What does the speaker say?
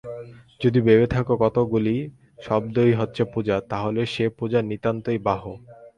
যদি ভেবে থাক, কতকগুলি শব্দই হচ্ছে পূজা, তাহলে সে পূজা নিতান্তই বাহ্য।